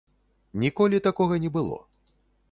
Ніколі такога не было.